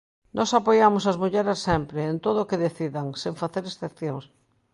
Nós apoiamos as mulleres sempre, en todo o que decidan, sen facer excepcións.